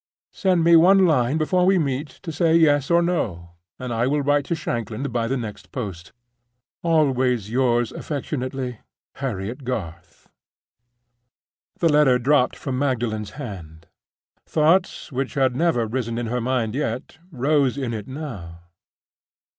Send me one line before we meet to say Yes or No, and I will write to Shanklin by the next post. "Always yours affectionately, "HARRIET GARTH" The letter dropped from Magdalen's hand. Thoughts which had never risen in her mind yet rose in it now.